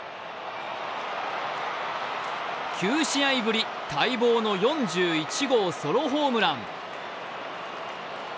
９試合ぶり、待望の４１号ソロホームラン。